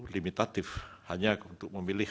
limitatif hanya untuk memilih